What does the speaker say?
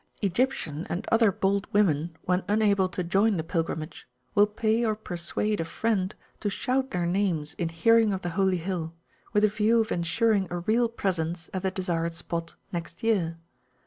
Egyptian and other bold women, when unable to join the pilgrimage, will pay or persuade a friend to shout their names [p.190] in hearing of the Holy Hill, with a view of ensuring a real presence at the desired spot next year.